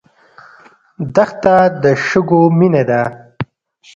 دښته د شګو مینه ده.